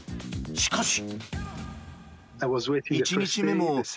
しかし。